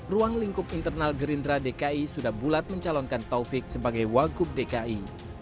ruang lingkup internal gerindra dki sudah bulat mencalonkan taufik sebagai wagub dki